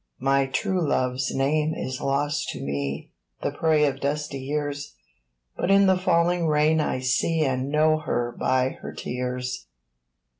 My true love's name is lost to me, The prey of dusty years, But in the falling Rain I see And know her by her tears!